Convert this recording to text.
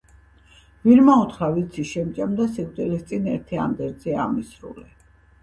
ვირმა უთხრა: ვიცი, შემჭამ და სიკვდილის წინ ერთი ანდერძი ამისრულე